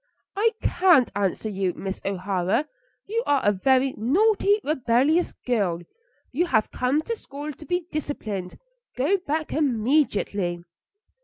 "I can't answer you, Miss O'Hara. You are a very naughty, rebellious girl. You have come to school to be disciplined. Go back immediately."